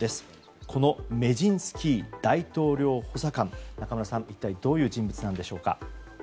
このメジンスキー大統領補佐官中村さん、一体どういう人物なのでしょうか。